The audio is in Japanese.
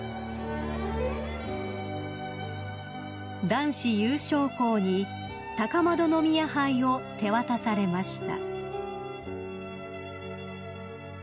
［男子優勝校に高円宮牌を手渡されました］